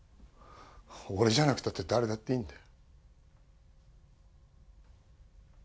俺じゃなくても誰だっていいんだよ